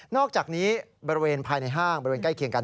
อกจากนี้บริเวณภายในห้างบริเวณใกล้เคียงกัน